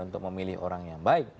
untuk memilih orang yang baik